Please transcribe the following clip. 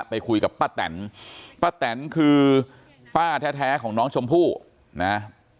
ไปคุยกับป้าแตนป้าแตนคือป้าแท้ของน้องชมพู่นะ